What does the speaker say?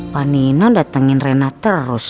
panino datengin rena terus